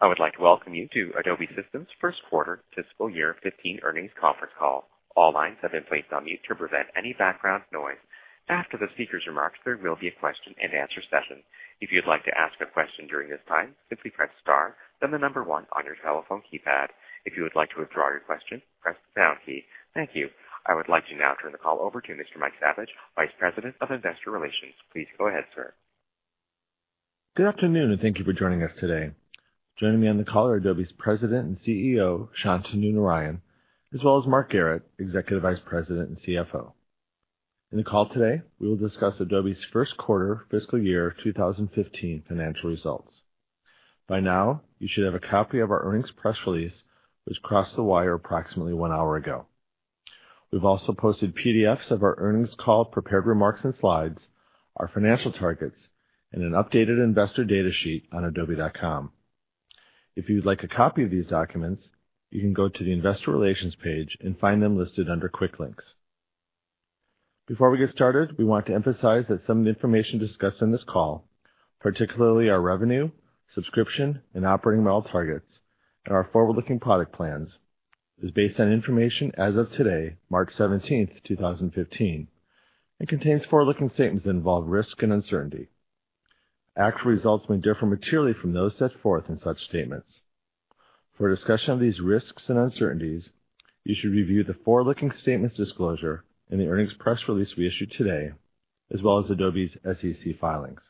I would like to welcome you to Adobe Systems' first quarter fiscal year 2015 earnings conference call. All lines have been placed on mute to prevent any background noise. After the speaker's remarks, there will be a question and answer session. If you would like to ask a question during this time, simply press star then the number 1 on your telephone keypad. If you would like to withdraw your question, press the pound key. Thank you. I would like to now turn the call over to Mr. Mike Saviage, Vice President of Investor Relations. Please go ahead, sir. Good afternoon. Thank you for joining us today. Joining me on the call are Adobe's President and CEO, Shantanu Narayen, as well as Mark Garrett, Executive Vice President and CFO. In the call today, we will discuss Adobe's first quarter fiscal year 2015 financial results. By now, you should have a copy of our earnings press release, which crossed the wire approximately one hour ago. We've also posted PDFs of our earnings call prepared remarks and slides, our financial targets, and an updated investor data sheet on adobe.com. If you would like a copy of these documents, you can go to the investor relations page and find them listed under quick links. Before we get started, we want to emphasize that some of the information discussed on this call, particularly our revenue, subscription, and operating model targets, and our forward-looking product plans, is based on information as of today, March 17, 2015, and contains forward-looking statements that involve risk and uncertainty. Actual results may differ materially from those set forth in such statements. For a discussion of these risks and uncertainties, you should review the forward-looking statements disclosure in the earnings press release we issued today, as well as Adobe's SEC filings.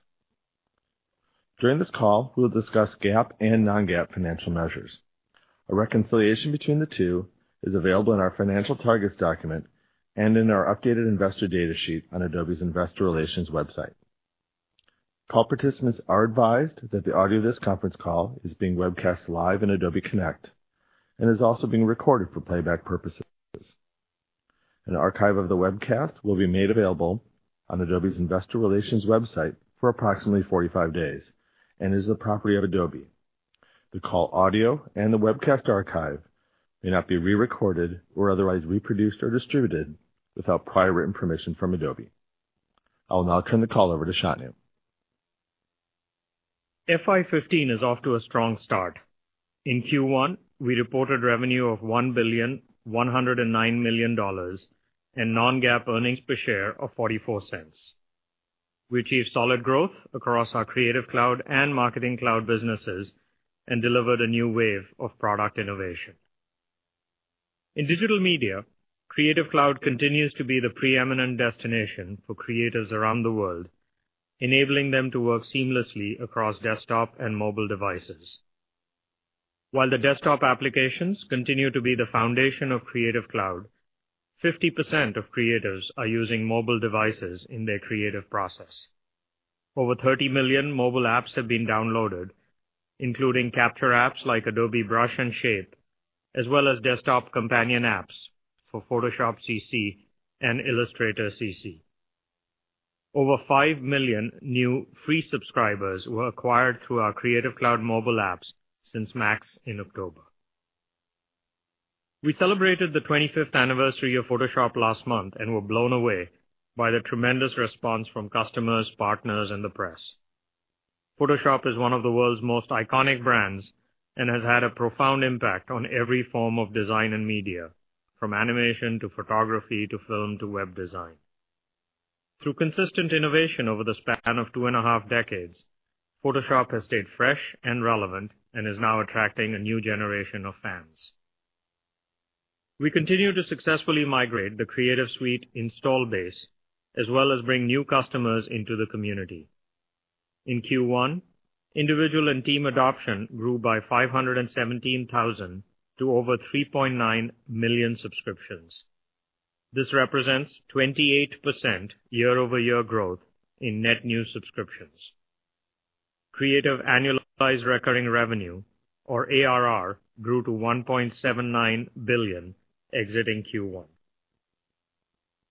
During this call, we will discuss GAAP and non-GAAP financial measures. A reconciliation between the two is available in our financial targets document and in our updated investor data sheet on Adobe's investor relations website. Call participants are advised that the audio of this conference call is being webcast live in Adobe Connect and is also being recorded for playback purposes. An archive of the webcast will be made available on Adobe's investor relations website for approximately 45 days and is the property of Adobe. The call audio and the webcast archive may not be re-recorded or otherwise reproduced or distributed without prior written permission from Adobe. I will now turn the call over to Shantanu. FY 2015 is off to a strong start. In Q1, we reported revenue of $1,109,000,000 and non-GAAP earnings per share of $0.44. We achieved solid growth across our Creative Cloud and Marketing Cloud businesses and delivered a new wave of product innovation. In digital media, Creative Cloud continues to be the preeminent destination for creatives around the world, enabling them to work seamlessly across desktop and mobile devices. While the desktop applications continue to be the foundation of Creative Cloud, 50% of creatives are using mobile devices in their creative process. Over 30 million mobile apps have been downloaded, including capture apps like Adobe Brush and Adobe Shape, as well as desktop companion apps for Photoshop CC and Illustrator CC. Over 5 million new free subscribers were acquired through our Creative Cloud mobile apps since Adobe MAX in October. We celebrated the 25th anniversary of Photoshop last month and were blown away by the tremendous response from customers, partners, and the press. Photoshop is one of the world's most iconic brands and has had a profound impact on every form of design and media, from animation to photography, to film, to web design. Through consistent innovation over the span of two and a half decades, Photoshop has stayed fresh and relevant and is now attracting a new generation of fans. We continue to successfully migrate the Creative Suite install base as well as bring new customers into the community. In Q1, individual and team adoption grew by 517,000 to over 3.9 million subscriptions. This represents 28% year-over-year growth in net new subscriptions. Creative annualized recurring revenue or ARR grew to $1.79 billion exiting Q1.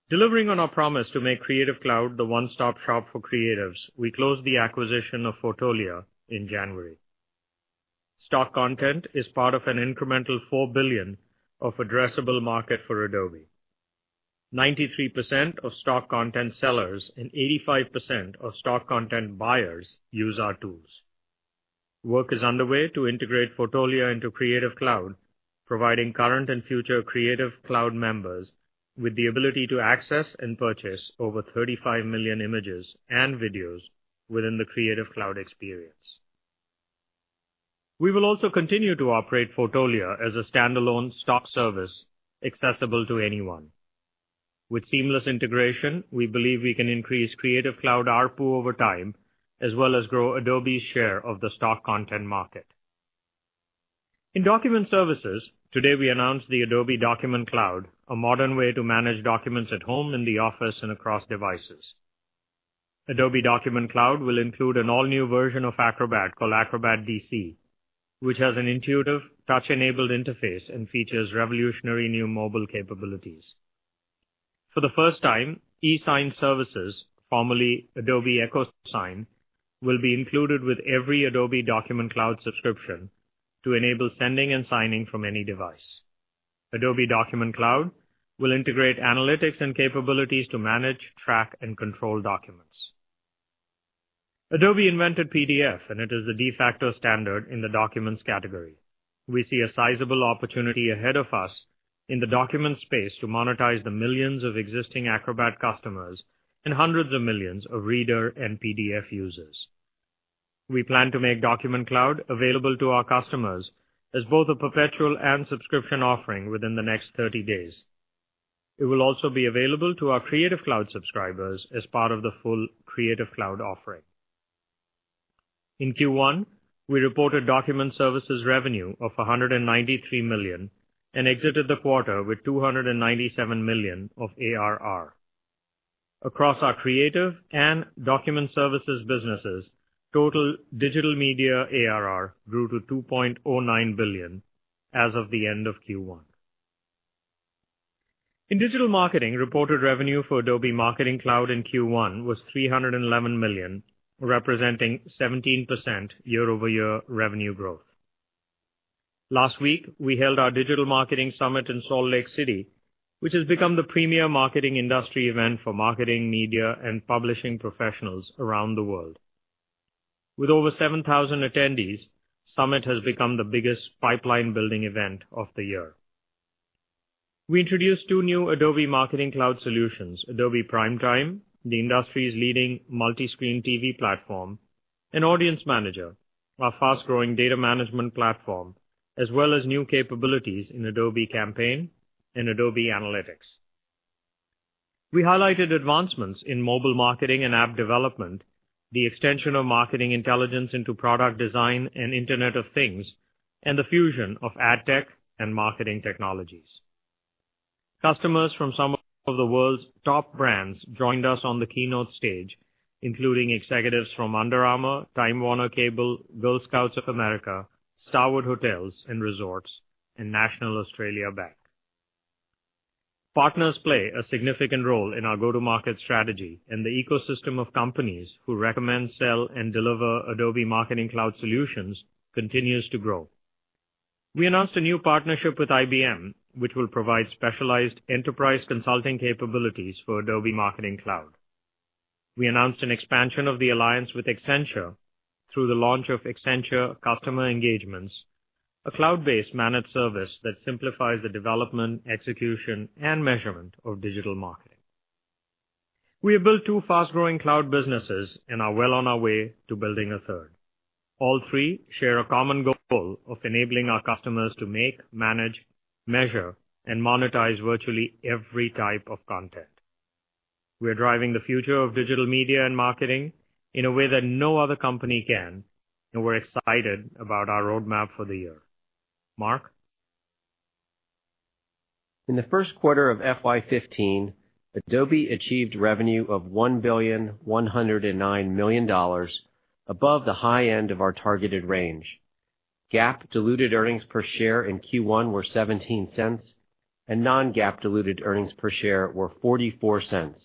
Delivering on our promise to make Creative Cloud the one-stop shop for creatives, we closed the acquisition of Fotolia in January. Stock content is part of an incremental $4 billion of addressable market for Adobe. 93% of stock content sellers and 85% of stock content buyers use our tools. Work is underway to integrate Fotolia into Creative Cloud, providing current and future Creative Cloud members with the ability to access and purchase over 35 million images and videos within the Creative Cloud experience. We will also continue to operate Fotolia as a standalone stock service accessible to anyone. With seamless integration, we believe we can increase Creative Cloud ARPU over time, as well as grow Adobe's share of the stock content market. In document services, today we announced the Adobe Document Cloud, a modern way to manage documents at home, in the office, and across devices. Adobe Document Cloud will include an all-new version of Acrobat called Acrobat DC, which has an intuitive touch-enabled interface and features revolutionary new mobile capabilities. For the first time, eSign services, formerly Adobe EchoSign, will be included with every Adobe Document Cloud subscription to enable sending and signing from any device. Adobe Document Cloud will integrate analytics and capabilities to manage, track, and control documents. Adobe invented PDF, and it is the de facto standard in the documents category. We see a sizable opportunity ahead of us in the document space to monetize the millions of existing Acrobat customers and hundreds of millions of Reader and PDF users. We plan to make Document Cloud available to our customers as both a perpetual and subscription offering within the next 30 days. It will also be available to our Creative Cloud subscribers as part of the full Creative Cloud offering. In Q1, we reported document services revenue of $193 million and exited the quarter with $297 million of ARR. Across our creative and document services businesses, total Digital Media ARR grew to $2.09 billion as of the end of Q1. In digital marketing, reported revenue for Adobe Marketing Cloud in Q1 was $311 million, representing 17% year-over-year revenue growth. Last week, we held our Digital Marketing Summit in Salt Lake City, which has become the premier marketing industry event for marketing, media, and publishing professionals around the world. With over 7,000 attendees, Summit has become the biggest pipeline-building event of the year. We introduced two new Adobe Marketing Cloud solutions: Adobe Primetime, the industry's leading multi-screen TV platform, and Adobe Audience Manager, our fast-growing data management platform, as well as new capabilities in Adobe Campaign and Adobe Analytics. We highlighted advancements in mobile marketing and app development, the extension of marketing intelligence into product design and Internet of Things, and the fusion of ad tech and marketing technologies. Customers from some of the world's top brands joined us on the keynote stage, including executives from Under Armour, Time Warner Cable, Girl Scouts of the USA, Starwood Hotels & Resorts, and National Australia Bank. Partners play a significant role in our go-to-market strategy, and the ecosystem of companies who recommend, sell, and deliver Adobe Marketing Cloud solutions continues to grow. We announced a new partnership with IBM, which will provide specialized enterprise consulting capabilities for Adobe Marketing Cloud. We announced an expansion of the alliance with Accenture through the launch of Accenture Customer Engagement, a cloud-based managed service that simplifies the development, execution, and measurement of digital marketing. We have built two fast-growing cloud businesses and are well on our way to building a third. All three share a common goal of enabling our customers to make, manage, measure, and monetize virtually every type of content. We are driving the future of digital media and marketing in a way that no other company can, and we're excited about our roadmap for the year. Mark? In the first quarter of FY 2015, Adobe achieved revenue of $1.109 billion above the high end of our targeted range. GAAP diluted earnings per share in Q1 were $0.17, and non-GAAP diluted earnings per share were $0.44.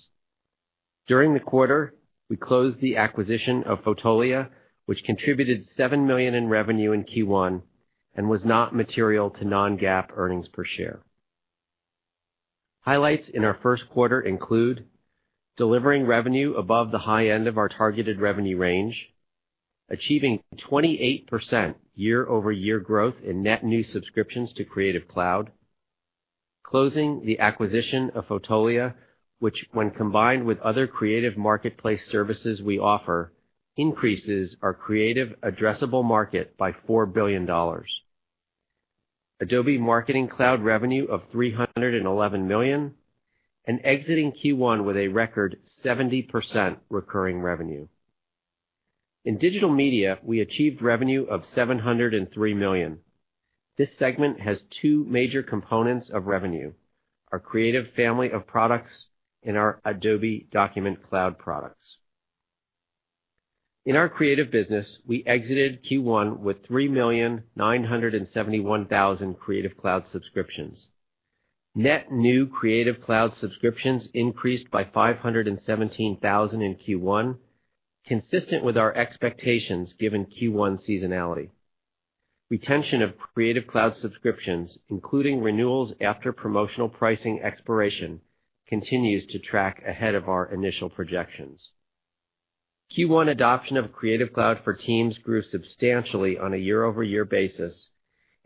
During the quarter, we closed the acquisition of Fotolia, which contributed $7 million in revenue in Q1 and was not material to non-GAAP earnings per share. Highlights in our first quarter include delivering revenue above the high end of our targeted revenue range, achieving 28% year-over-year growth in net new subscriptions to Creative Cloud, closing the acquisition of Fotolia, which when combined with other creative marketplace services we offer, increases our creative addressable market by $4 billion. Adobe Marketing Cloud revenue of $311 million and exiting Q1 with a record 70% recurring revenue. In Digital Media, we achieved revenue of $703 million. This segment has two major components of revenue, our Creative family of products and our Adobe Document Cloud products. In our Creative business, we exited Q1 with 3,971,000 Creative Cloud subscriptions. Net new Creative Cloud subscriptions increased by 517,000 in Q1, consistent with our expectations given Q1 seasonality. Retention of Creative Cloud subscriptions, including renewals after promotional pricing expiration, continues to track ahead of our initial projections. Q1 adoption of Creative Cloud for Teams grew substantially on a year-over-year basis,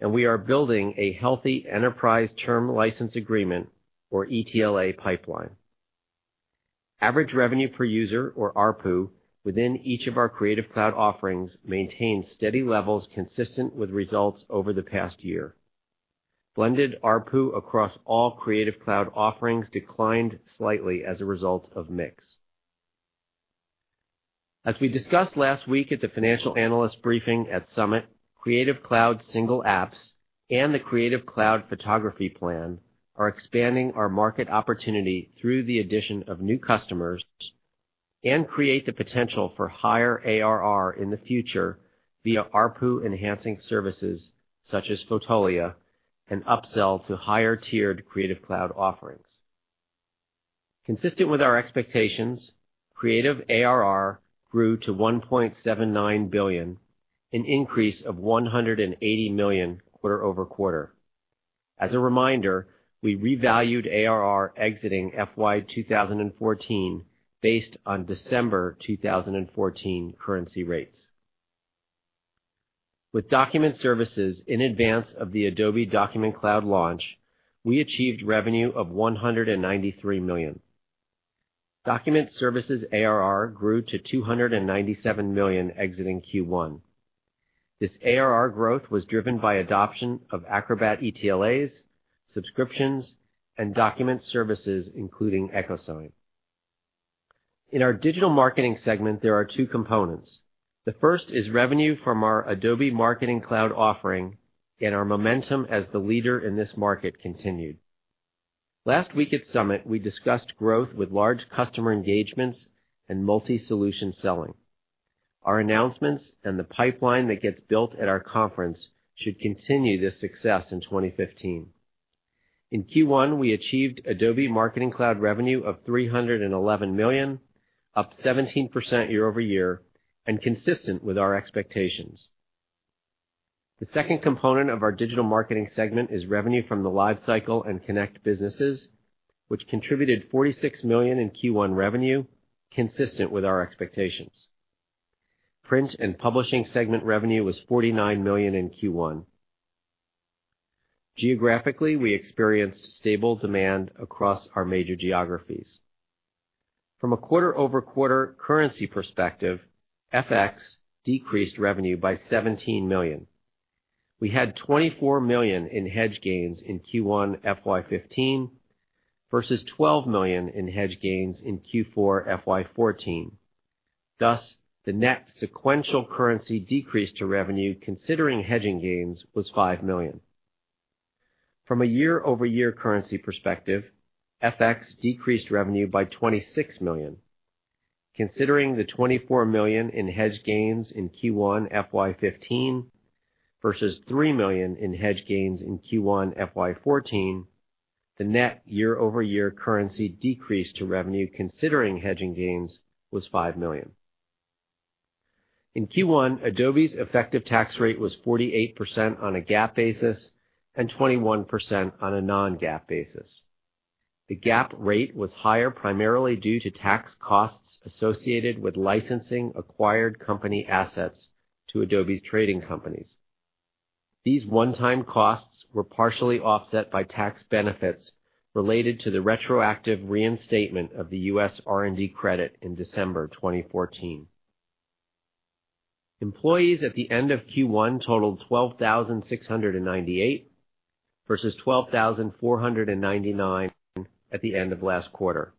and we are building a healthy Enterprise Term License Agreement, or ETLA, pipeline. Average revenue per user, or ARPU, within each of our Creative Cloud offerings maintained steady levels consistent with results over the past year. Blended ARPU across all Creative Cloud offerings declined slightly as a result of mix. As we discussed last week at the financial analyst briefing at Summit, Creative Cloud single apps and the Creative Cloud Photography plan are expanding our market opportunity through the addition of new customers and create the potential for higher ARR in the future via ARPU-enhancing services such as Fotolia and upsell to higher-tiered Creative Cloud offerings. Consistent with our expectations, Creative ARR grew to $1.79 billion, an increase of $180 million quarter-over-quarter. As a reminder, we revalued ARR exiting FY 2014 based on December 2014 currency rates. With Document Services in advance of the Adobe Document Cloud launch, we achieved revenue of $193 million. Document Services ARR grew to $297 million exiting Q1. This ARR growth was driven by adoption of Acrobat ETLAs, subscriptions, and Document Services, including EchoSign. In our Digital Marketing segment, there are two components. The first is revenue from our Adobe Marketing Cloud offering and our momentum as the leader in this market continued. Last week at Summit, we discussed growth with large customer engagements and multi-solution selling. Our announcements and the pipeline that gets built at our conference should continue this success in 2015. In Q1, we achieved Adobe Marketing Cloud revenue of $311 million, up 17% year-over-year and consistent with our expectations. The second component of our Digital Marketing segment is revenue from the LiveCycle and Connect businesses, which contributed $46 million in Q1 revenue, consistent with our expectations. Print and Publishing segment revenue was $49 million in Q1. Geographically, we experienced stable demand across our major geographies. From a quarter-over-quarter currency perspective, FX decreased revenue by $17 million. We had $24 million in hedge gains in Q1 FY 2015 versus $12 million in hedge gains in Q4 FY 2014, thus the net sequential currency decrease to revenue considering hedging gains was $5 million. From a year-over-year currency perspective, FX decreased revenue by $26 million. Considering the $24 million in hedge gains in Q1 FY 2015 versus $3 million in hedge gains in Q1 FY 2014, the net year-over-year currency decrease to revenue considering hedging gains was $5 million. In Q1, Adobe's effective tax rate was 48% on a GAAP basis and 21% on a non-GAAP basis. The GAAP rate was higher primarily due to tax costs associated with licensing acquired company assets to Adobe's trading companies. These one-time costs were partially offset by tax benefits related to the retroactive reinstatement of the U.S. R&D tax credit in December 2014. Employees at the end of Q1 totaled 12,698 versus 12,499 at the end of last quarter.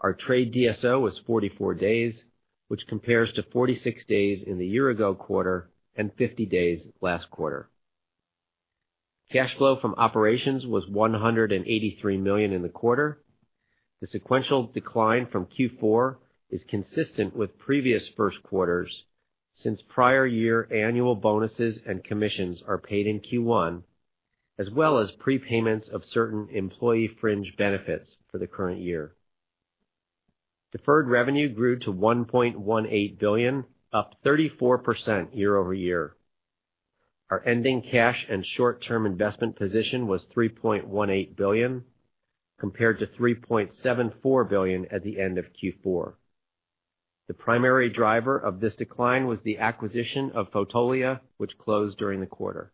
Our trade DSO was 44 days, which compares to 46 days in the year-ago quarter and 50 days last quarter. Cash flow from operations was $183 million in the quarter. The sequential decline from Q4 is consistent with previous first quarters since prior year annual bonuses and commissions are paid in Q1, as well as prepayments of certain employee fringe benefits for the current year. Deferred revenue grew to $1.18 billion, up 34% year-over-year. Our ending cash and short-term investment position was $3.18 billion, compared to $3.74 billion at the end of Q4. The primary driver of this decline was the acquisition of Fotolia, which closed during the quarter.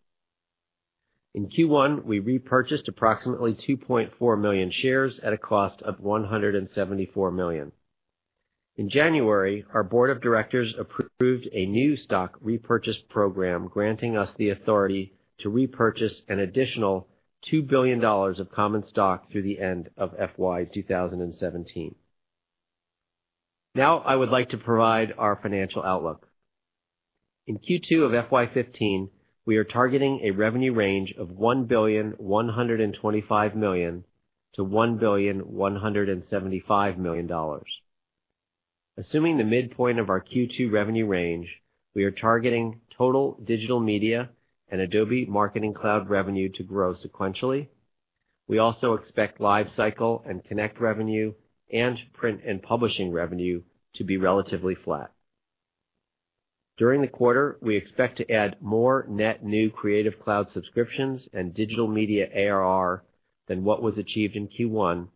In Q1, we repurchased approximately 2.4 million shares at a cost of $174 million. I would like to provide our financial outlook. In Q2 of FY 2015, we are targeting a revenue range of $1,125,000,000 to $1,175,000,000. Assuming the midpoint of our Q2 revenue range, we are targeting total Digital Media and Adobe Marketing Cloud revenue to grow sequentially. We also expect Adobe LiveCycle and Adobe Connect revenue and Print and Publishing revenue to be relatively flat. During the quarter, we expect to add more net new Creative Cloud subscriptions and Digital Media ARR than what was achieved in Q1,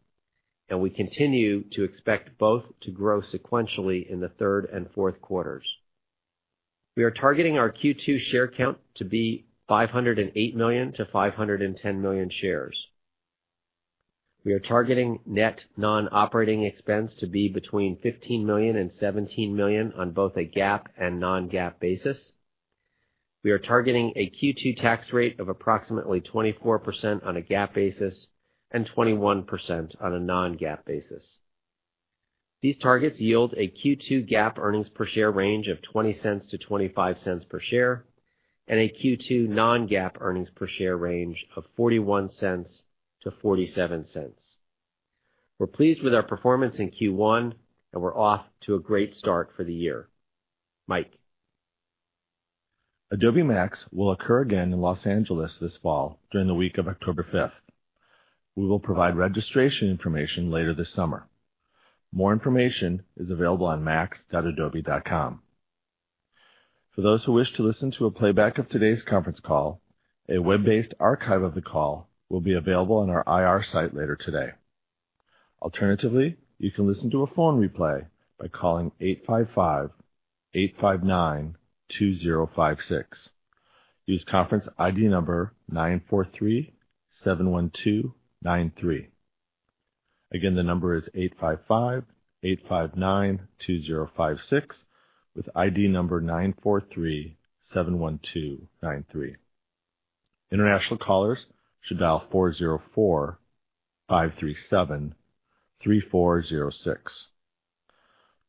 and we continue to expect both to grow sequentially in the third and fourth quarters. We are targeting our Q2 share count to be 508 million to 510 million shares. We are targeting net non-operating expense to be between $15 million and $17 million on both a GAAP and non-GAAP basis. We are targeting a Q2 tax rate of approximately 24% on a GAAP basis and 21% on a non-GAAP basis. These targets yield a Q2 GAAP earnings per share range of $0.20 to $0.25 per share and a Q2 non-GAAP earnings per share range of $0.41 to $0.47. We're pleased with our performance in Q1, and we're off to a great start for the year. Mike? Adobe MAX will occur again in Los Angeles this fall during the week of October 5th. We will provide registration information later this summer. More information is available on max.adobe.com. For those who wish to listen to a playback of today's conference call, a web-based archive of the call will be available on our IR site later today. Alternatively, you can listen to a phone replay by calling 855-859-2056. Use conference ID number 94371293. Again, the number is 855-859-2056 with ID number 94371293. International callers should dial 404-537-3406.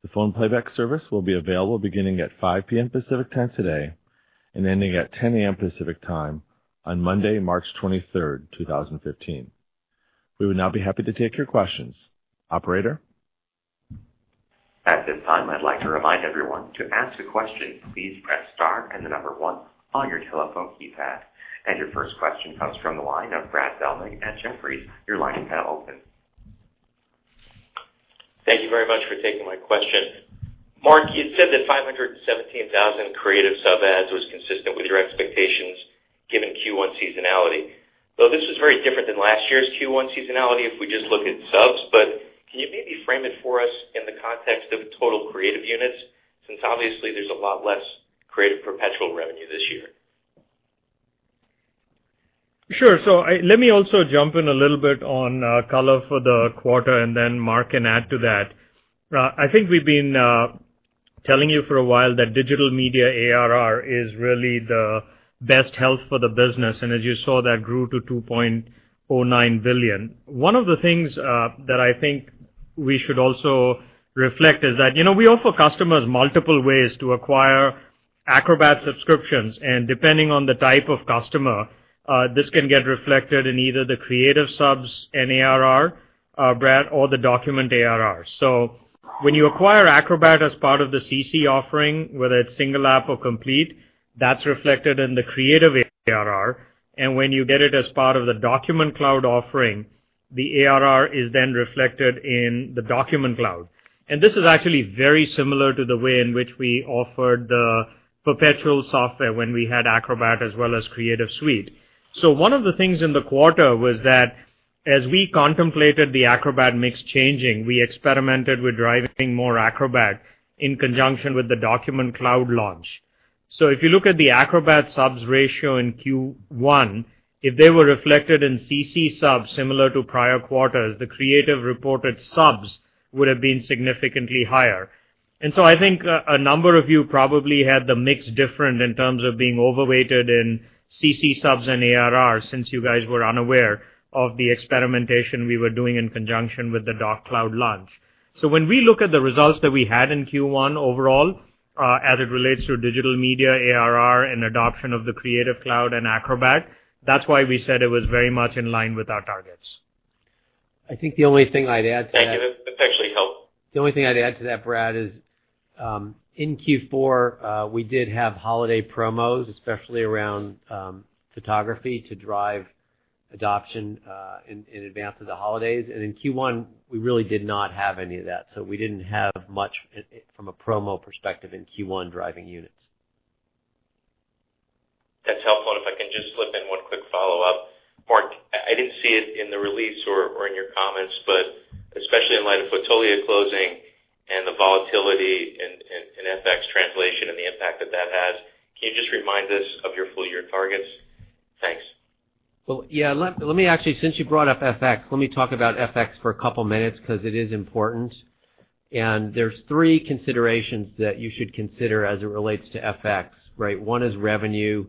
The phone playback service will be available beginning at 5:00 P.M. Pacific Time today and ending at 10:00 A.M. Pacific Time on Monday, March 23rd, 2015. We would now be happy to take your questions. Operator? At this time, I'd like to remind everyone, to ask a question, please press star and the number one on your telephone keypad. Your first question comes from the line of Brad Zelnick at Jefferies. Your line is now open. Thank you very much for taking my question. Mark, you said that 517,000 creative sub adds was consistent with your expectations given Q1 seasonality, though this was very different than last year's Q1 seasonality if we just look at subs. Can you maybe frame it for us in the context of total creative units, since obviously there's a lot less creative perpetual revenue this year? Sure. Let me also jump in a little bit on color for the quarter, and then Mark can add to that. I think we've been telling you for a while that digital media ARR is really the best health for the business, and as you saw, that grew to $2.09 billion. One of the things that I think we should also reflect is that we offer customers multiple ways to acquire Acrobat subscriptions, and depending on the type of customer, this can get reflected in either the creative subs and ARR, Brad, or the document ARR. When you acquire Acrobat as part of the CC offering, whether it's single app or complete, that's reflected in the creative ARR. When you get it as part of the Document Cloud offering, the ARR is then reflected in the Document Cloud. This is actually very similar to the way in which we offered the perpetual software when we had Acrobat as well as Creative Suite. One of the things in the quarter was that as we contemplated the Acrobat mix changing, we experimented with driving more Acrobat in conjunction with the Document Cloud launch. If you look at the Acrobat subs ratio in Q1, if they were reflected in CC subs similar to prior quarters, the creative reported subs would have been significantly higher. I think a number of you probably had the mix different in terms of being overweighted in CC subs and ARR, since you guys were unaware of the experimentation we were doing in conjunction with the Doc Cloud launch. When we look at the results that we had in Q1 overall as it relates to digital media ARR and adoption of the Creative Cloud and Acrobat, that's why we said it was very much in line with our targets. I think the only thing I'd add to- Thank you. That's actually helpful. The only thing I'd add to that, Brad, is in Q4, we did have holiday promos, especially around photography, to drive adoption in advance of the holidays. In Q1, we really did not have any of that. We didn't have much from a promo perspective in Q1 driving units. That's helpful. If I can just slip in one quick follow-up. Mark, I didn't see it in the release or in your comments, but especially in light of Fotolia closing and the volatility in FX translation and the impact that that has, can you just remind us of your full-year targets? Thanks. Well, yeah. Let me actually, since you brought up FX, let me talk about FX for a couple of minutes because it is important, there's three considerations that you should consider as it relates to FX, right? One is revenue,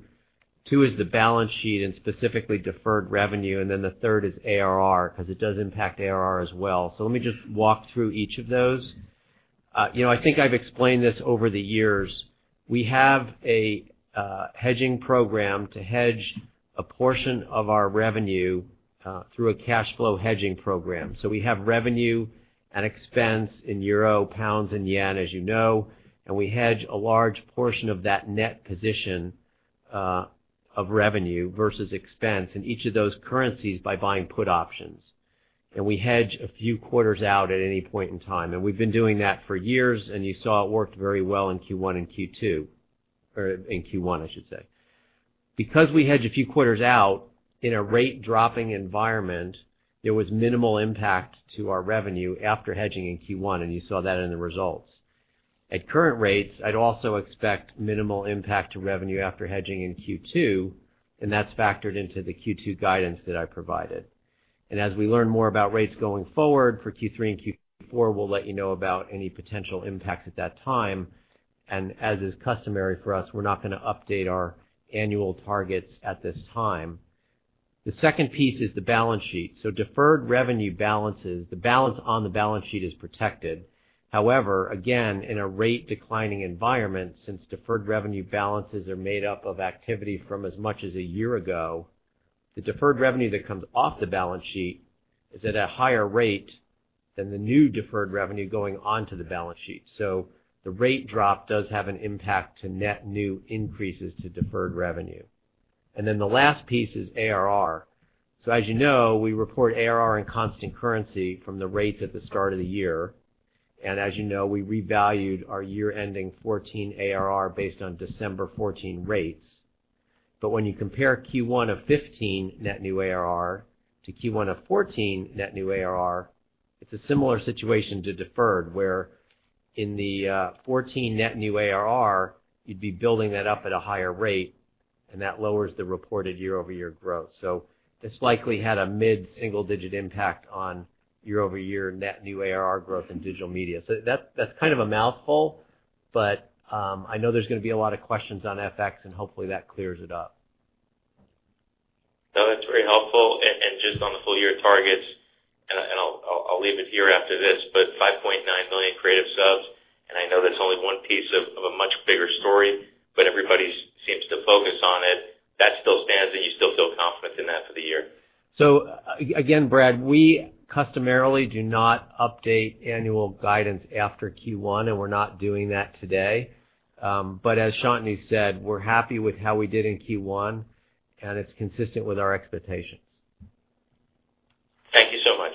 two is the balance sheet, specifically deferred revenue, and the third is ARR, because it does impact ARR as well. Let me just walk through each of those. I think I've explained this over the years. We have a hedging program to hedge a portion of our revenue through a cash flow hedging program. We have revenue and expense in euro, pounds, and yen, as you know, and we hedge a large portion of that net position of revenue versus expense in each of those currencies by buying put options. We hedge a few quarters out at any point in time. We've been doing that for years, and you saw it worked very well in Q1 and Q2. Or in Q1, I should say. Because we hedge a few quarters out in a rate-dropping environment, there was minimal impact to our revenue after hedging in Q1, you saw that in the results. At current rates, I'd also expect minimal impact to revenue after hedging in Q2, that's factored into the Q2 guidance that I provided. As we learn more about rates going forward for Q3 and Q4, we'll let you know about any potential impacts at that time. As is customary for us, we're not going to update our annual targets at this time. The second piece is the balance sheet. Deferred revenue balances, the balance on the balance sheet is protected. However, again, in a rate-declining environment, since deferred revenue balances are made up of activity from as much as a year ago, the deferred revenue that comes off the balance sheet is at a higher rate than the new deferred revenue going onto the balance sheet. The rate drop does have an impact to net new increases to deferred revenue. The last piece is ARR. As you know, we report ARR in constant currency from the rates at the start of the year. As you know, we revalued our year ending 2014 ARR based on December 2014 rates. When you compare Q1 of 2015 net new ARR to Q1 of 2014 net new ARR, it's a similar situation to deferred, where in the 2014 net new ARR, you'd be building that up at a higher rate, and that lowers the reported year-over-year growth. This likely had a mid-single-digit impact on year-over-year net new ARR growth in Digital Media. That's kind of a mouthful, but I know there's going to be a lot of questions on FX, and hopefully that clears it up. No, that's very helpful. Just on the full-year targets, and I'll leave it here after this, but 5.9 million Creative subs, and I know that's only one piece of a much bigger story, but everybody seems to focus on it. That still stands, and you still feel confident in that for the year? Again, Brad, we customarily do not update annual guidance after Q1, and we're not doing that today. As Shantanu said, we're happy with how we did in Q1, and it's consistent with our expectations. Thank you so much.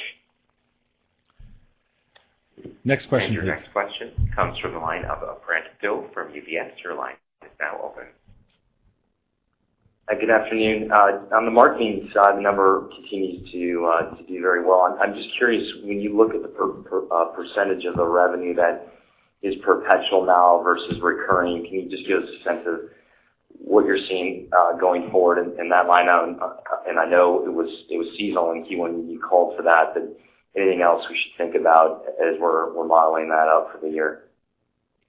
Next question. Your next question comes from the line of Brent Thill from UBS. Your line is now open. Hi, good afternoon. On the marketing side, the number continues to do very well. I'm just curious, when you look at the % of the revenue that is perpetual now versus recurring, can you just give us a sense of what you're seeing going forward in that line item? I know it was seasonal in Q1 when you called for that, but anything else we should think about as we're modeling that out for the year?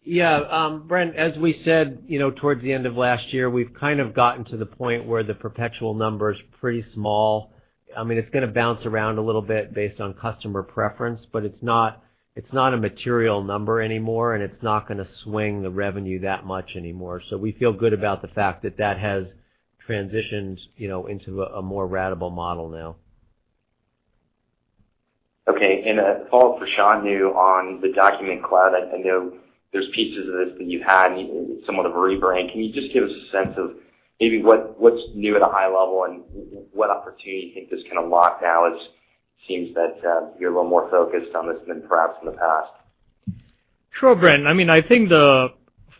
Yeah. Brent, as we said towards the end of last year, we've kind of gotten to the point where the perpetual number's pretty small. It's going to bounce around a little bit based on customer preference, but it's not a material number anymore, and it's not going to swing the revenue that much anymore. We feel good about the fact that that has transitioned into a more ratable model now. Okay. A follow-up for Shantanu on the Document Cloud. I know there's pieces of this that you had, somewhat of a rebrand. Can you just give us a sense of maybe what's new at a high level and what opportunity you think this, seems that you're a little more focused on this than perhaps in the past? Sure, Brent. I think the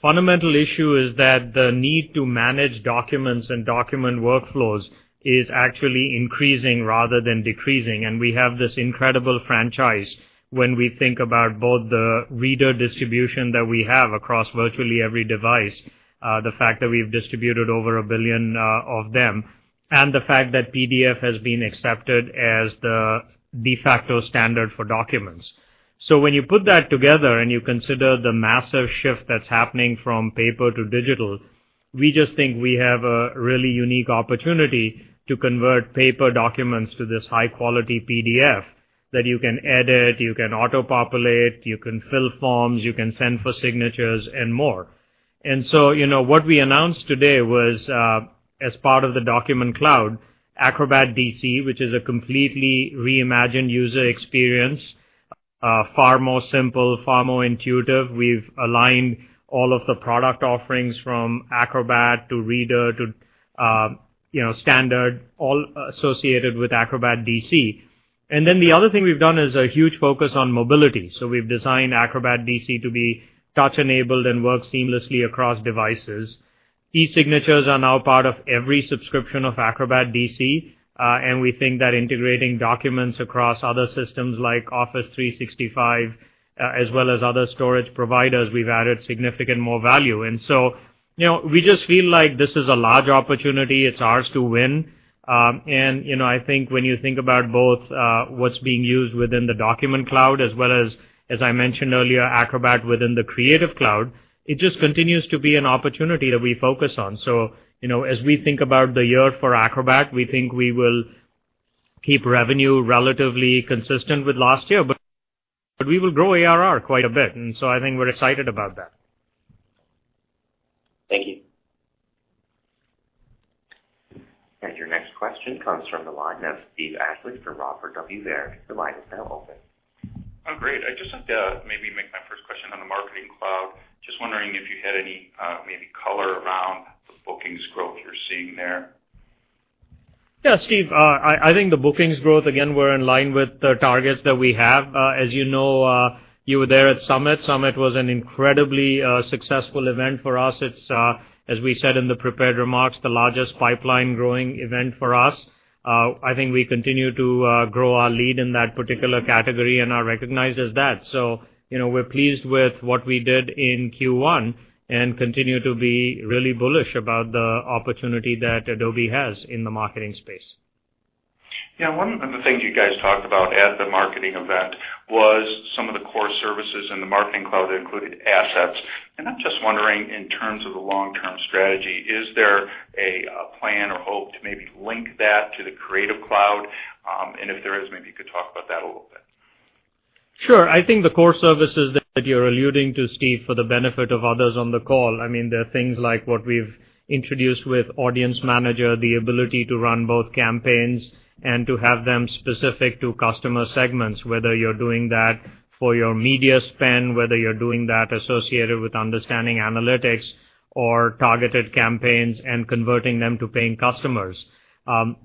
fundamental issue is that the need to manage documents and document workflows is actually increasing rather than decreasing. We have this incredible franchise when we think about both the Reader distribution that we have across virtually every device, the fact that we've distributed over 1 billion of them, and the fact that PDF has been accepted as the de facto standard for documents. When you put that together and you consider the massive shift that's happening from paper to digital, we just think we have a really unique opportunity to convert paper documents to this high-quality PDF that you can edit, you can auto-populate, you can fill forms, you can send for signatures, and more. What we announced today was, as part of the Document Cloud, Acrobat DC, which is a completely reimagined user experience, far more simple, far more intuitive. We've aligned all of the product offerings from Acrobat to Reader to Standard, all associated with Acrobat DC. The other thing we've done is a huge focus on mobility. We've designed Acrobat DC to be touch-enabled and work seamlessly across devices. E-signatures are now part of every subscription of Acrobat DC, and we think that integrating documents across other systems like Office 365, as well as other storage providers, we've added significant more value. We just feel like this is a large opportunity. It's ours to win. I think when you think about both what's being used within the Document Cloud, as well as I mentioned earlier, Acrobat within the Creative Cloud, it just continues to be an opportunity that we focus on. As we think about the year for Acrobat, we think we will keep revenue relatively consistent with last year, but we will grow ARR quite a bit. I think we're excited about that. Thank you. Your next question comes from the line of Steve Ashley from Robert W. Baird. Your line is now open. Great. I just have to maybe make my first question on the Marketing Cloud. Just wondering if you had any maybe color around the bookings growth you're seeing there. Steve. I think the bookings growth, again, we're in line with the targets that we have. As you know, you were there at Summit. Summit was an incredibly successful event for us. It's, as we said in the prepared remarks, the largest pipeline-growing event for us. I think we continue to grow our lead in that particular category and are recognized as that. We're pleased with what we did in Q1 and continue to be really bullish about the opportunity that Adobe has in the marketing space. Yeah. One of the things you guys talked about at the marketing event was some of the core services in the Marketing Cloud that included assets. I'm just wondering, in terms of the long-term strategy, is there a plan or hope to maybe link that to the Creative Cloud? If there is, maybe you could talk about that a little bit. Sure. I think the core services that you're alluding to, Steve, for the benefit of others on the call, they're things like what we've introduced with Audience Manager, the ability to run both campaigns and to have them specific to customer segments, whether you're doing that for your media spend, whether you're doing that associated with understanding analytics or targeted campaigns and converting them to paying customers.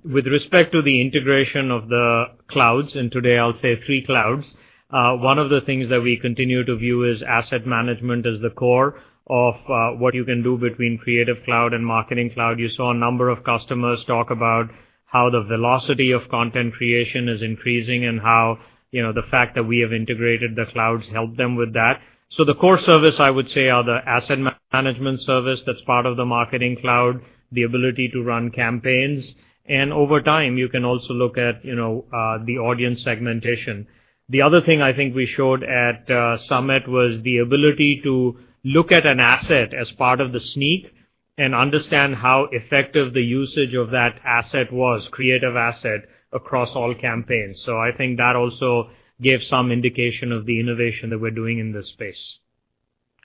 With respect to the integration of the clouds, and today I'll say three clouds, one of the things that we continue to view is asset management as the core of what you can do between Creative Cloud and Marketing Cloud. You saw a number of customers talk about how the velocity of content creation is increasing and how the fact that we have integrated the clouds helped them with that. The core service, I would say, are the asset management service that's part of the Marketing Cloud, the ability to run campaigns. Over time, you can also look at the audience segmentation. The other thing I think we showed at Adobe MAX was the ability to look at an asset as part of the sneak and understand how effective the usage of that asset was, creative asset, across all campaigns. I think that also gave some indication of the innovation that we're doing in this space.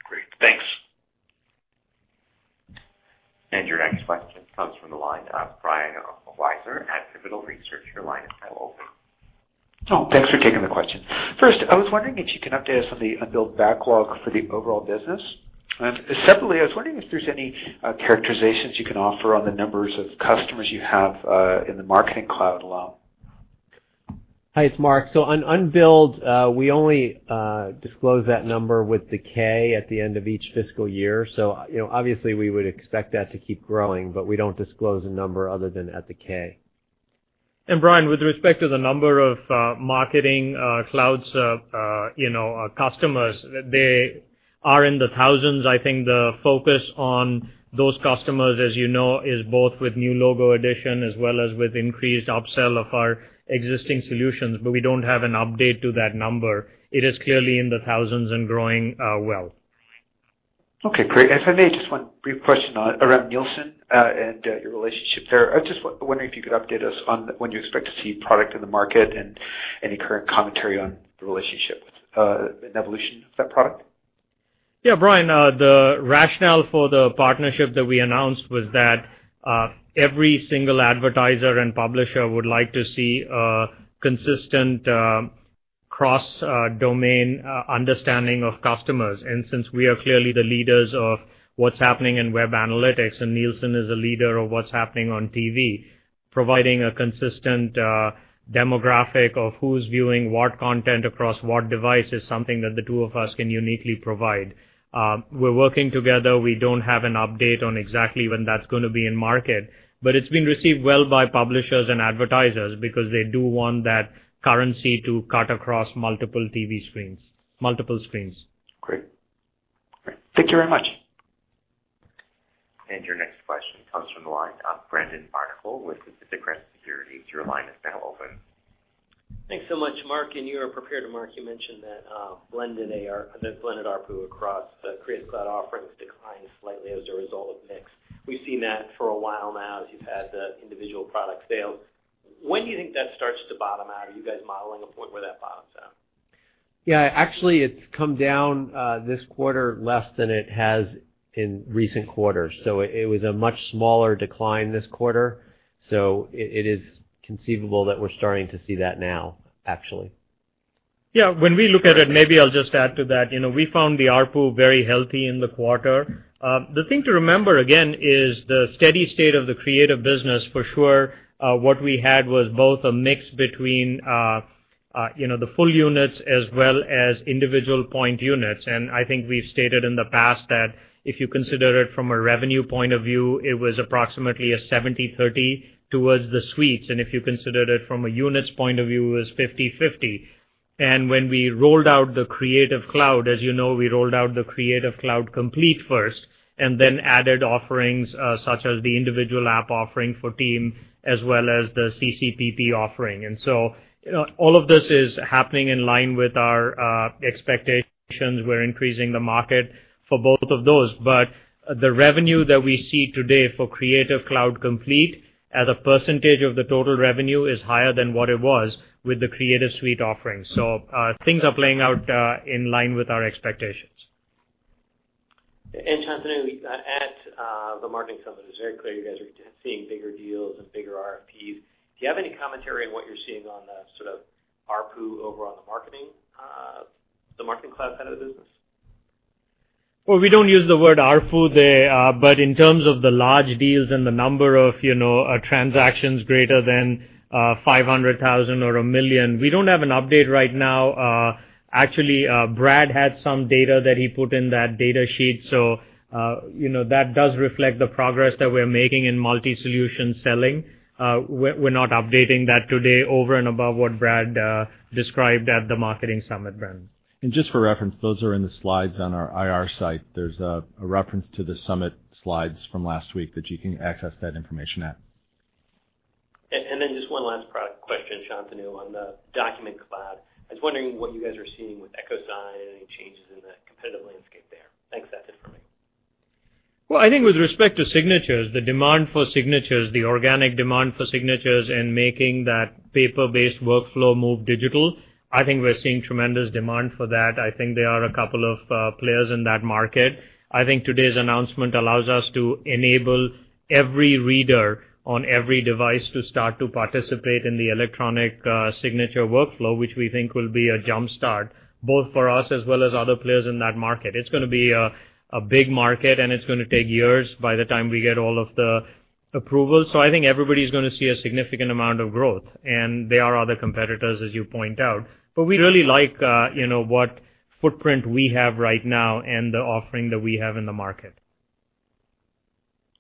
Great. Thanks. Your next question comes from the line of Brian Wieser at Pivotal Research. Your line is now open. Thanks for taking the question. First, I was wondering if you can update us on the unbilled backlog for the overall business. Secondly, I was wondering if there's any characterizations you can offer on the numbers of customers you have in the Marketing Cloud alone. Hi, it's Mark. On unbilled, we only disclose that number with the K at the end of each fiscal year. Obviously, we would expect that to keep growing, but we don't disclose a number other than at the K. Brian, with respect to the number of Marketing Clouds customers, they are in the thousands. I think the focus on those customers, as you know, is both with new logo addition as well as with increased upsell of our existing solutions. We don't have an update to that number. It is clearly in the thousands and growing well. Okay, great. If I may, just one brief question around Nielsen and your relationship there. I was just wondering if you could update us on when you expect to see product in the market and any current commentary on the relationship, and evolution of that product. Yeah, Brian, the rationale for the partnership that we announced was that every single advertiser and publisher would like to see a consistent cross-domain understanding of customers. Since we are clearly the leaders of what's happening in web analytics, and Nielsen is a leader of what's happening on TV, providing a consistent demographic of who's viewing what content across what device is something that the two of us can uniquely provide. We're working together. We don't have an update on exactly when that's going to be in market, but it's been received well by publishers and advertisers because they do want that currency to cut across multiple screens. Great. Thank you very much. Your next question comes from the line of Brendan Barnicle with Pacific Crest Securities. Your line is now open. Thanks so much, Mark. In your prepared remark, you mentioned that blended ARPU across the Creative Cloud offerings declined slightly as a result of mix. We've seen that for a while now as you've had the individual product sales. When do you think that starts to bottom out? Are you guys modeling a point where that bottoms out? Yeah, actually, it's come down this quarter less than it has in recent quarters. It was a much smaller decline this quarter, so it is conceivable that we're starting to see that now, actually. Yeah. When we look at it, maybe I'll just add to that. We found the ARPU very healthy in the quarter. The thing to remember again is the steady state of the creative business for sure, what we had was both a mix between the full units as well as individual point units. I think we've stated in the past that if you consider it from a revenue point of view, it was approximately a 70/30 towards the suites. If you considered it from a units point of view, it was 50/50. When we rolled out the Creative Cloud, as you know, we rolled out the Creative Cloud Complete first, then added offerings such as the individual app offering for Team as well as the CCPP offering. All of this is happening in line with our expectations. We're increasing the market for both of those. The revenue that we see today for Creative Cloud Complete as a percentage of the total revenue is higher than what it was with the Creative Suite offerings. Things are playing out in line with our expectations. Shantanu, at the Marketing Summit, it was very clear you guys are seeing bigger deals and bigger RFPs. Do you have any commentary on what you're seeing on the sort of ARPU over on the Marketing Cloud side of the business? Well, we don't use the word ARPU there, but in terms of the large deals and the number of transactions greater than 500,000 or 1 million, we don't have an update right now. Actually, Brad had some data that he put in that data sheet, so that does reflect the progress that we're making in multi-solution selling. We're not updating that today over and above what Brad described at the Marketing Summit, Walter. Just for reference, those are in the slides on our IR site. There's a reference to the Summit slides from last week that you can access that information at. Just one last product question, Shantanu, on the Document Cloud. I was wondering what you guys are seeing with EchoSign, any changes in the competitive landscape there? Thanks, Shantanu. Well, I think with respect to signatures, the demand for signatures, the organic demand for signatures in making that paper-based workflow move digital, I think we're seeing tremendous demand for that. I think there are a couple of players in that market. I think today's announcement allows us to enable every reader on every device to start to participate in the electronic signature workflow, which we think will be a jumpstart, both for us as well as other players in that market. It's going to be a big market, and it's going to take years by the time we get all of the approvals. I think everybody's going to see a significant amount of growth, and there are other competitors, as you point out. We really like what footprint we have right now and the offering that we have in the market.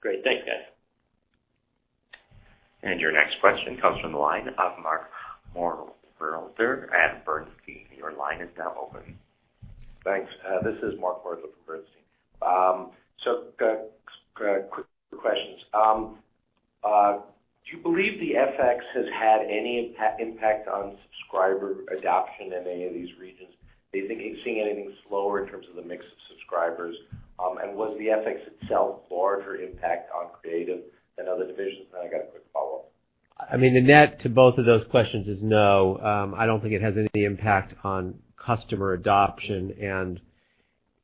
Great. Thanks, guys. Your next question comes from the line of Mark Moerdler at Bernstein. Your line is now open. Thanks. This is Mark Moerdler from Bernstein. Quick questions. Do you believe the FX has had any impact on subscriber adoption in any of these regions? Are you thinking you're seeing anything slower in terms of the mix of subscribers? Was the FX itself larger impact on Creative than other divisions? I got a quick follow-up. The net to both of those questions is no. I don't think it has any impact on customer adoption.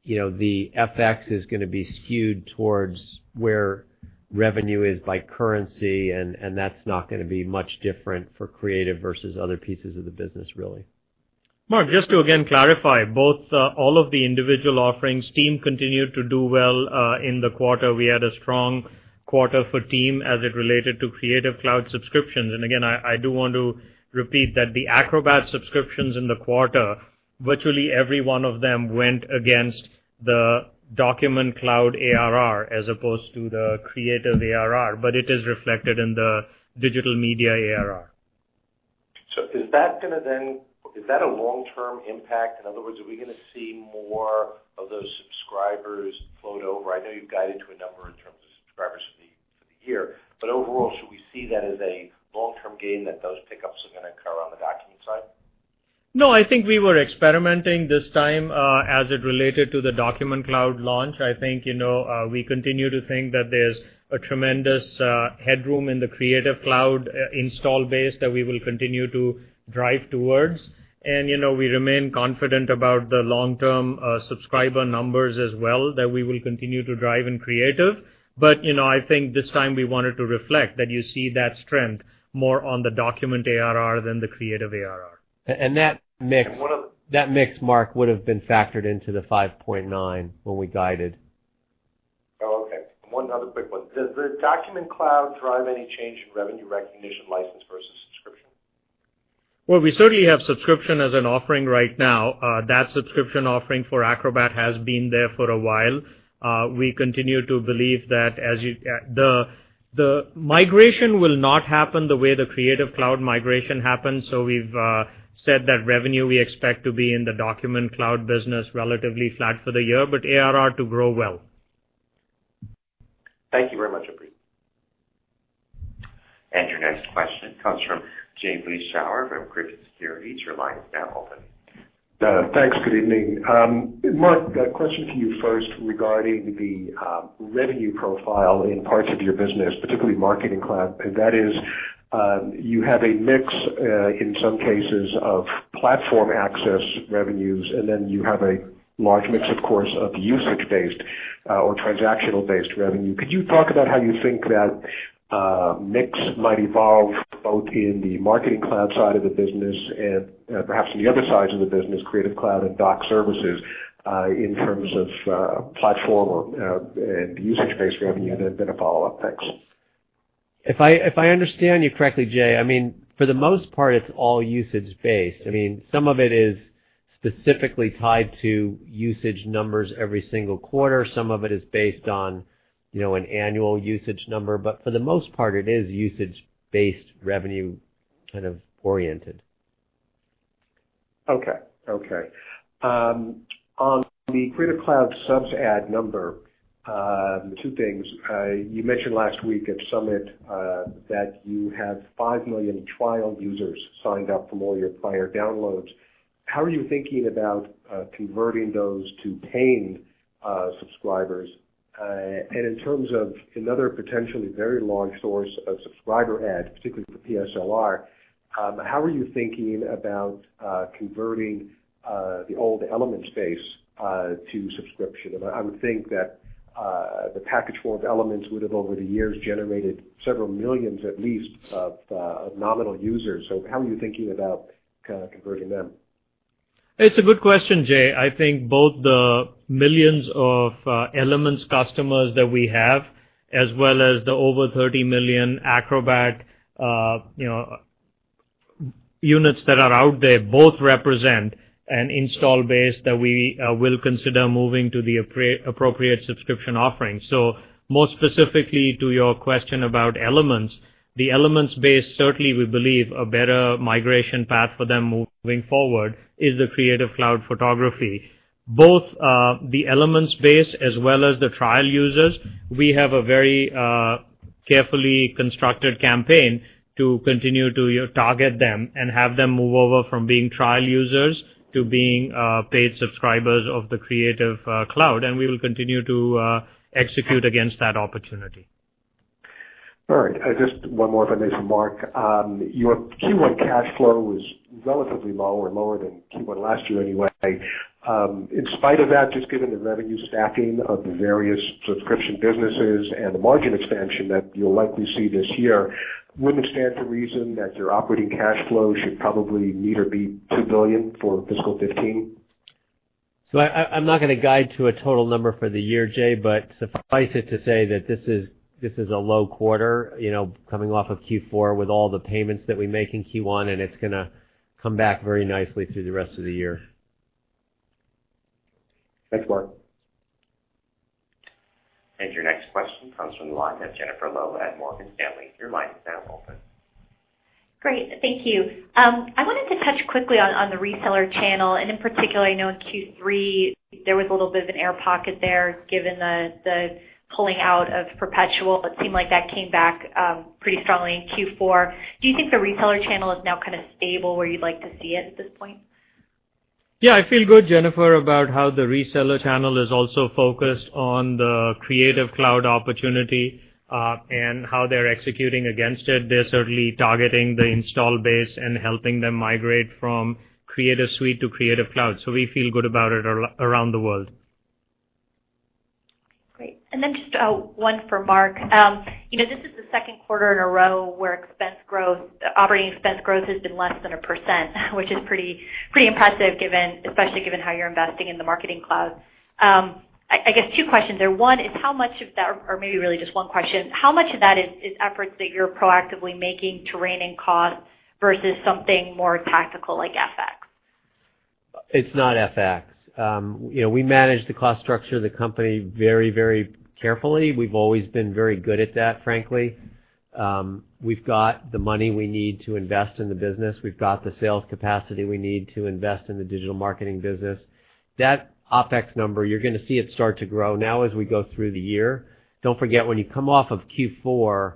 The FX is going to be skewed towards where revenue is by currency, and that's not going to be much different for Creative versus other pieces of the business, really. Mark, just to again clarify, both all of the individual offerings, Team continued to do well in the quarter. We had a strong quarter for Team as it related to Creative Cloud subscriptions. Again, I do want to repeat that the Acrobat subscriptions in the quarter, virtually every one of them went against the Document Cloud ARR as opposed to the Creative ARR, but it is reflected in the Digital Media ARR. Is that a long-term impact? In other words, are we going to see more of those subscribers float over? I know you've guided to a number in terms of subscribers for the year. Overall, should we see that as a long-term gain that those pickups are going to occur on the Document side? No, I think we were experimenting this time as it related to the Document Cloud launch. I think we continue to think that there's a tremendous headroom in the Creative Cloud install base that we will continue to drive towards. We remain confident about the long-term subscriber numbers as well that we will continue to drive in Creative. I think this time we wanted to reflect that you see that strength more on the Document ARR than the Creative ARR. That mix- One other- That mix, Mark, would have been factored into the 5.9 when we guided. Oh, okay. One other quick one. Does the Document Cloud drive any change in revenue recognition license versus subscription? Well, we certainly have subscription as an offering right now. That subscription offering for Acrobat has been there for a while. We continue to believe that the migration will not happen the way the Creative Cloud migration happened. We've said that revenue we expect to be in the Document Cloud business relatively flat for the year, but ARR to grow well. Thank you very much, appreciate it. Your next question comes from Jay Vleeschhouwer from Griffin Securities. Your line is now open. Thanks. Good evening. Mark, question for you first regarding the revenue profile in parts of your business, particularly Marketing Cloud, and that is, you have a mix, in some cases, of platform access revenues, and then you have a large mix, of course, of usage-based or transactional-based revenue. Could you talk about how you think that mix might evolve, both in the Marketing Cloud side of the business and perhaps in the other sides of the business, Creative Cloud and Doc Services, in terms of platform and usage-based revenue? A follow-up. Thanks. If I understand you correctly, Jay, for the most part, it's all usage-based. Some of it is specifically tied to usage numbers every single quarter. Some of it is based on an annual usage number, but for the most part, it is usage-based revenue kind of oriented. Okay. On the Creative Cloud subs add number, two things. You mentioned last week at Summit that you have 5 million trial users signed up from all your prior downloads. How are you thinking about converting those to paying subscribers? In terms of another potentially very large source of subscriber add, particularly for Ps, Lr, how are you thinking about converting the old Elements base to subscription? I would think that the package for Elements would have over the years generated several millions at least of nominal users. How are you thinking about kind of converting them? It's a good question, Jay. I think both the millions of Elements customers that we have, as well as the over 30 million Acrobat units that are out there, both represent an install base that we will consider moving to the appropriate subscription offering. More specifically to your question about Elements, the Elements base, certainly we believe a better migration path for them moving forward is the Creative Cloud Photography. Both the Elements base as well as the trial users, we have a very carefully constructed campaign to continue to target them and have them move over from being trial users to being paid subscribers of the Creative Cloud. We will continue to execute against that opportunity. All right. Just one more if I may. Mark, your Q1 cash flow was relatively low or lower than Q1 last year anyway. In spite of that, just given the revenue stacking of the various subscription businesses and the margin expansion that you'll likely see this year, would it stand to reason that your operating cash flow should probably meet or beat $2 billion for fiscal 2015? I'm not going to guide to a total number for the year, Jay, but suffice it to say that this is a low quarter, coming off of Q4 with all the payments that we make in Q1, and it's going to come back very nicely through the rest of the year. Thanks, Mark. Your next question comes from the line of Jennifer Lowe at Morgan Stanley. Your line is now open. Great. Thank you. I wanted to touch quickly on the reseller channel, in particular, I know in Q3, there was a little bit of an air pocket there given the pulling out of perpetual. It seemed like that came back pretty strongly in Q4. Do you think the reseller channel is now kind of stable where you'd like to see it at this point? Yeah, I feel good, Jennifer, about how the reseller channel is also focused on the Creative Cloud opportunity, how they're executing against it. They're certainly targeting the install base and helping them migrate from Creative Suite to Creative Cloud. We feel good about it around the world. Great. Just one for Mark. This is the second quarter in a row where operating expense growth has been less than 1%, which is pretty impressive, especially given how you're investing in the Marketing Cloud. I guess two questions there. One is how much of that, or maybe really just one question, how much of that is efforts that you're proactively making to rein in costs versus something more tactical like FX? It's not FX. We manage the cost structure of the company very carefully. We've always been very good at that, frankly. We've got the money we need to invest in the business. We've got the sales capacity we need to invest in the digital marketing business. That OpEx number, you're going to see it start to grow now as we go through the year. Don't forget, when you come off of Q4,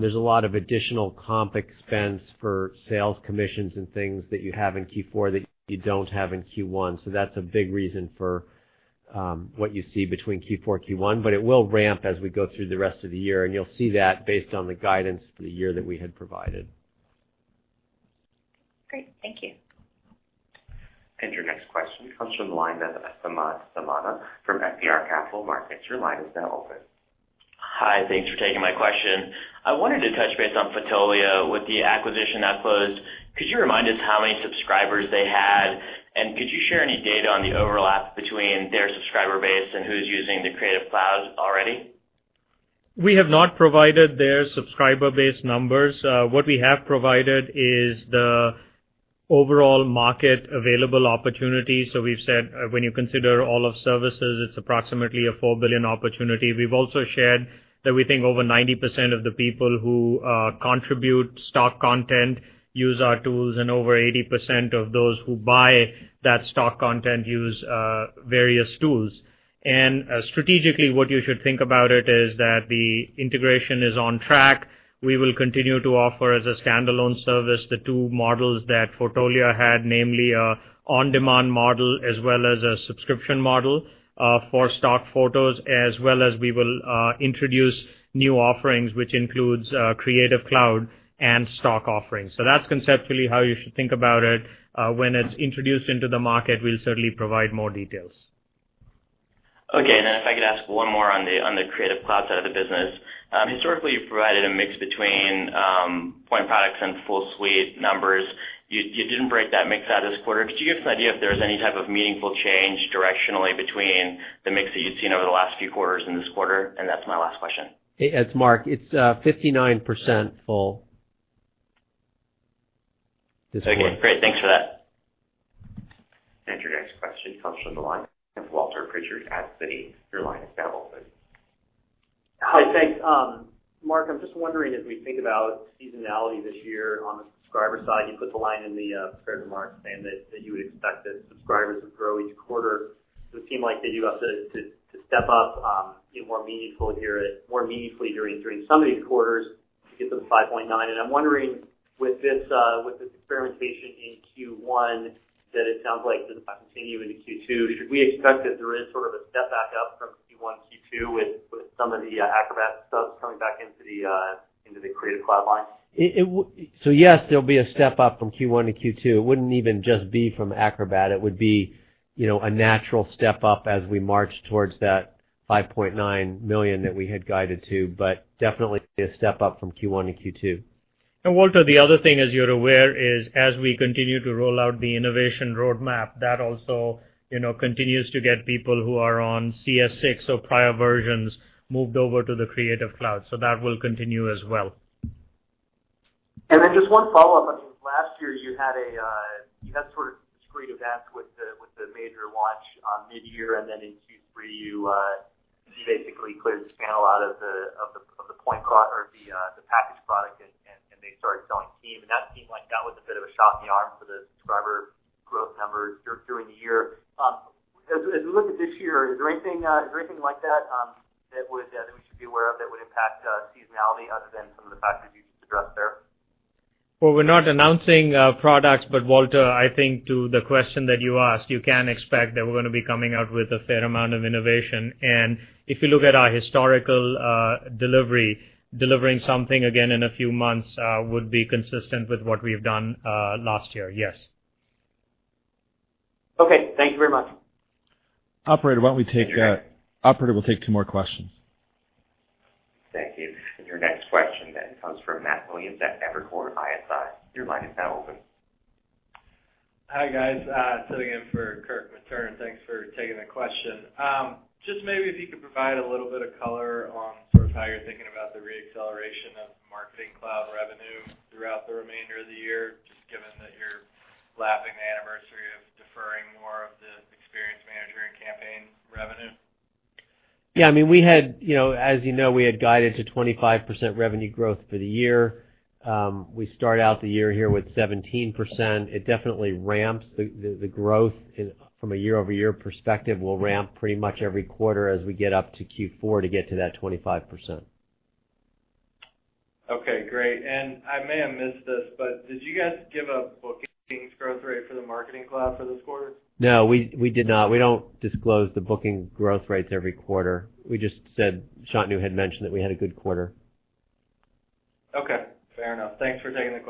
there's a lot of additional comp expense for sales commissions and things that you have in Q4 that you don't have in Q1. That's a big reason for what you see between Q4 and Q1, but it will ramp as we go through the rest of the year, you'll see that based on the guidance for the year that we had provided. Great. Thank you. Your next question comes from the line of Samad Samana from FBR Capital Markets. Your line is now open. Hi, thanks for taking my question. I wanted to touch base on Fotolia with the acquisition that closed. Could you remind us how many subscribers they had, and could you share any data on the overlap between their subscriber base and who's using the Creative Cloud already? We have not provided their subscriber base numbers. What we have provided is the overall market available opportunity. We've said, when you consider all of services, it's approximately a $4 billion opportunity. We've also shared that we think over 90% of the people who contribute stock content use our tools, and over 80% of those who buy that stock content use various tools. Strategically, what you should think about it is that the integration is on track. We will continue to offer as a standalone service the two models that Fotolia had, namely an on-demand model as well as a subscription model for stock photos, as well as we will introduce new offerings, which includes Creative Cloud and stock offerings. That's conceptually how you should think about it. When it's introduced into the market, we'll certainly provide more details. Okay. Then if I could ask one more on the Creative Cloud side of the business. Historically, you've provided a mix between point products and full suite numbers. You didn't break that mix out this quarter. Could you give us an idea if there's any type of meaningful change directionally between the mix that you'd seen over the last few quarters and this quarter? That's my last question. It's Mark. It's 59% full this quarter. Okay, great. Thanks for that. Your next question comes from the line of Walter Pritchard at Citi. Your line is now open. Hey, thanks. Mark, I'm just wondering as we think about seasonality this year on the subscriber side, you put the line in the prepared remarks saying that you would expect that subscribers would grow each quarter. Does it seem like that you have to step up more meaningfully during some of these quarters to get to the 5.9? I'm wondering with this experimentation in Q1 that it sounds like this might continue into Q2. Should we expect that there is sort of a step back up from Q1 to Q2 with some of the Acrobat stuff coming back into the Creative Cloud line? Yes, there'll be a step-up from Q1 to Q2. It wouldn't even just be from Acrobat. It would be a natural step-up as we march towards that $5.9 million that we had guided to, but definitely a step-up from Q1 to Q2. Walter, the other thing, as you're aware, is as we continue to roll out the innovation roadmap, that also continues to get people who are on CS6 or prior versions moved over to the Creative Cloud. That will continue as well. Then just one follow-up. I mean, last year you had sort of discrete events with the major launch mid-year, then in Q3, you basically cleared the channel out of the point product or the packaged product, and they started selling team. That seemed like that was a bit of a shot in the arm for the subscriber growth numbers during the year. As we look at this year, is there anything like that we should be aware of that would impact seasonality other than some of the factors you just addressed there? We're not announcing products, Walter, I think to the question that you asked, you can expect that we're going to be coming out with a fair amount of innovation. If you look at our historical delivery, delivering something again in a few months would be consistent with what we've done last year, yes. Okay. Thank you very much. Operator, why don't we. Thank you. Operator, we'll take two more questions. Thank you. Your next question comes from Matthew Williams at Evercore ISI. Your line is now open. Hi, guys. Sitting in for Kirk Materne. Thanks for taking the question. Just maybe if you could provide a little bit of color on sort of how you're thinking about the re-acceleration of Marketing Cloud revenue throughout the remainder of the year, just given that you're lapping the anniversary of deferring more of the Experience Manager and Campaign revenue. Yeah, as you know, we had guided to 25% revenue growth for the year. We start out the year here with 17%. It definitely ramps the growth from a year-over-year perspective, will ramp pretty much every quarter as we get up to Q4 to get to that 25%. Okay, great. I may have missed this, did you guys give a bookings growth rate for the Marketing Cloud for this quarter? No, we did not. We don't disclose the booking growth rates every quarter. We just said, Shantanu had mentioned that we had a good quarter. Okay, fair enough. Thanks for taking the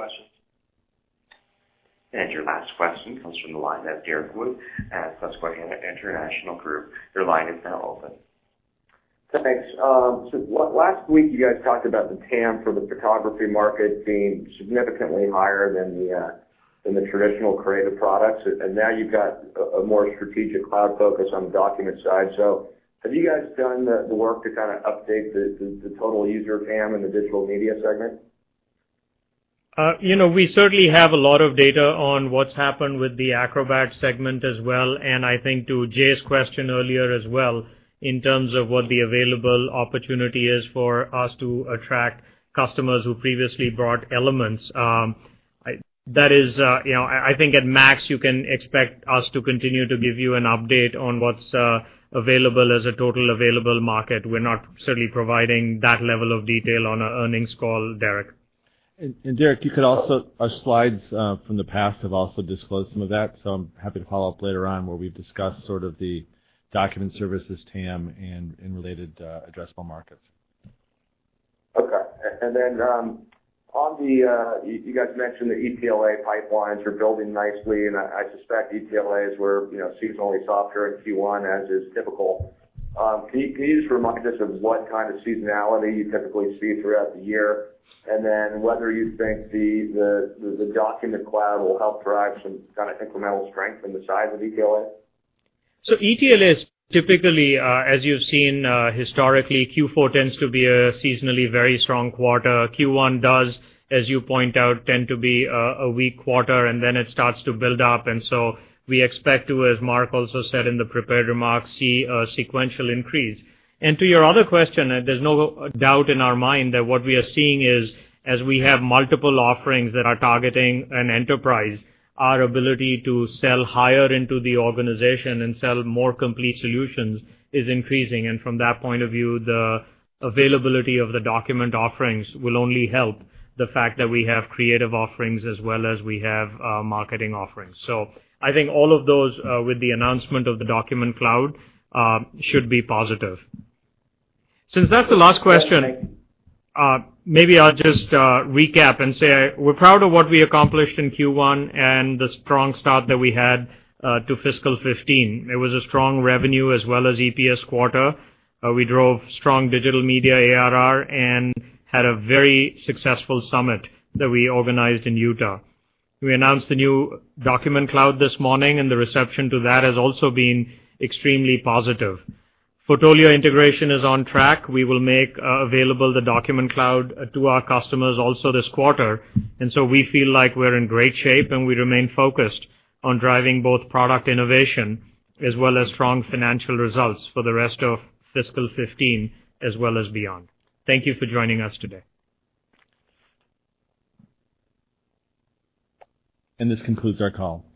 question. Your last question comes from the line of Derrick Wood at Susquehanna International Group. Your line is now open. Thanks. Last week you guys talked about the TAM for the photography market being significantly higher than the traditional creative products, and now you've got a more strategic cloud focus on the document side. Have you guys done the work to kind of update the total user TAM in the digital media segment? We certainly have a lot of data on what's happened with the Acrobat segment as well. I think to Jay's question earlier as well, in terms of what the available opportunity is for us to attract customers who previously bought Elements. I think at MAX, you can expect us to continue to give you an update on what's available as a total available market. We're not certainly providing that level of detail on a earnings call, Derrick. Derrick, you could also, our slides from the past have also disclosed some of that, so I'm happy to follow up later on where we've discussed sort of the Document Services TAM and related addressable markets. Okay. Then, you guys mentioned the ETLA pipelines are building nicely, and I suspect ETLA is where seasonally softer in Q1 as is typical. Can you just remind us of what kind of seasonality you typically see throughout the year, and then whether you think the Document Cloud will help drive some kind of incremental strength from the side of ETLA? ETLA is typically, as you've seen historically, Q4 tends to be a seasonally very strong quarter. Q1 does, as you point out, tend to be a weak quarter, and then it starts to build up. We expect to, as Mark also said in the prepared remarks, see a sequential increase. To your other question, there's no doubt in our mind that what we are seeing is, as we have multiple offerings that are targeting an enterprise, our ability to sell higher into the organization and sell more complete solutions is increasing. From that point of view, the availability of the document offerings will only help the fact that we have creative offerings as well as we have marketing offerings. I think all of those, with the announcement of the Document Cloud, should be positive. Since that's the last question, maybe I'll just recap and say we're proud of what we accomplished in Q1 and the strong start that we had to fiscal 2015. It was a strong revenue as well as EPS quarter. We drove strong digital media ARR and had a very successful summit that we organized in Utah. We announced the new Document Cloud this morning, and the reception to that has also been extremely positive. Fotolia integration is on track. We will make available the Document Cloud to our customers also this quarter. We feel like we're in great shape, and we remain focused on driving both product innovation as well as strong financial results for the rest of fiscal 2015, as well as beyond. Thank you for joining us today. This concludes our call.